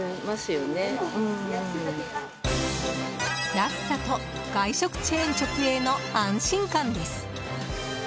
安さと、外食チェーン直営の安心感です。